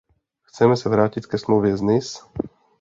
Chceme se vrátit ke smlouvě z Nice?